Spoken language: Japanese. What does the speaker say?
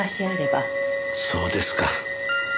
そうですか。